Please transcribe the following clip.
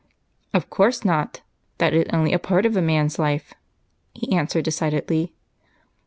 "Of course not that is only a part of a man's life," he answered decidedly.